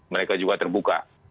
mereka juga terbuka